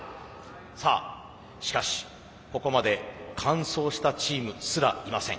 さあしかしここまで完走したチームすらいません。